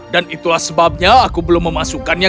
dan itulah sebabnya aku belum memasukkannya